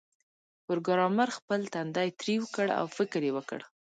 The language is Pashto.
پروګرامر خپل تندی ترېو کړ او فکر یې وکړ